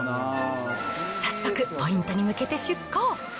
早速、ポイントに向けて出港。